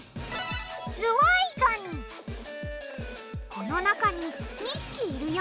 この中に２匹いるよ。